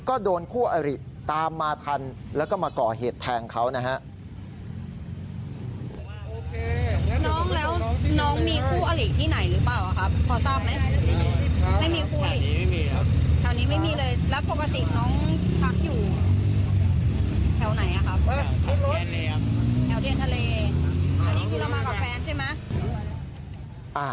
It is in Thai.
ก็โดนคู่อริตามมาทันแล้วก็มาก่อเหตุแทงเขานะฮะ